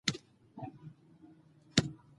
په راکړه ورکړه کې افغانۍ وکاروئ.